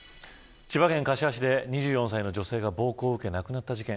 千葉県柏市で２４歳の女性が暴行を受け亡くなった事件